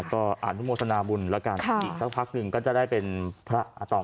ก็อนุโมทนาบุญแล้วกันอีกสักพักหนึ่งก็จะได้เป็นพระอาตอม